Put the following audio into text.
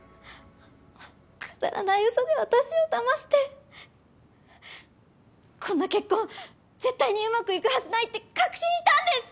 くだらないウソで私を騙してこんな結婚絶対にうまくいくはずないって確信したんです！